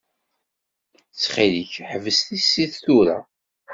Ttxil-k, ḥbes tissit tura.